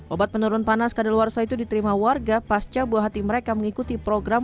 obat penurun panas kadaluarsa itu diterima warga pasca buah hati mereka mengikuti program